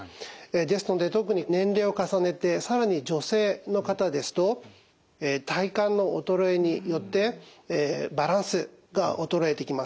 ですので特に年齢を重ねてさらに女性の方ですと体幹の衰えによってバランスが衰えてきます。